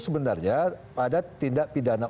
sebenarnya pada tindak pidana